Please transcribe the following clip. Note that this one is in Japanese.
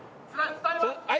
はい！